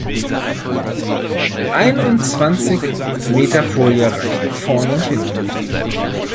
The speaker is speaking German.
Einundzwanzig Meter Folie reichen vorne und hinten nicht.